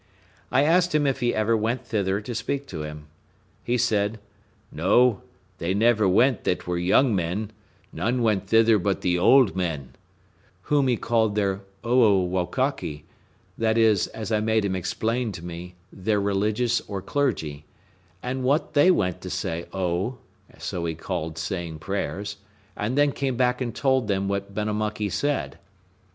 I asked him if ever he went thither to speak to him. He said, "No; they never went that were young men; none went thither but the old men," whom he called their Oowokakee; that is, as I made him explain to me, their religious, or clergy; and that they went to say O (so he called saying prayers), and then came back and told them what Benamuckee said.